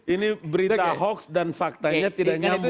ini berita hoax dan faktanya tidak nyambung